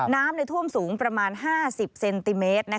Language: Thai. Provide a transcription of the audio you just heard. น้ำท่วมสูงประมาณ๕๐เซนติเมตร